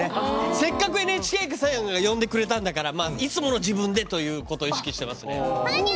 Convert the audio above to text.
せっかくＮＨＫさんが呼んでくれたんだからいつもの自分でというのを意識していますね。はにゃ！